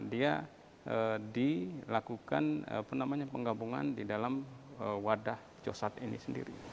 dia dilakukan penggabungan di dalam wadah cosat ini sendiri